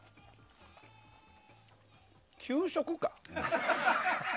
給食か！